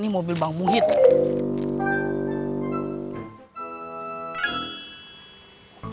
ini mobil bang muhyiddin